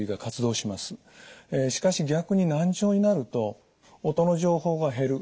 しかし逆に難聴になると音の情報が減る。